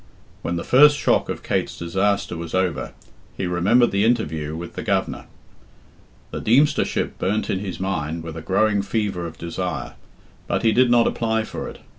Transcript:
When the first shock of Kate's disaster was over, he remembered the interview with the Governor. The Deemstership burnt in his mind with a growing fever of desire, but he did not apply for it.